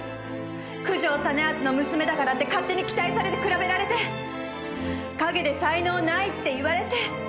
九条実篤の娘だからって勝手に期待されて比べられて陰で才能ないって言われて。